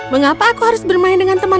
mengapa aku harus bermain denganmu